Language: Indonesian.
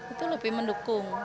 itu lebih mendukung